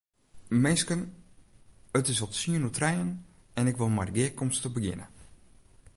Minsken, it is al tsien oer trijen en ik wol mei de gearkomste begjinne.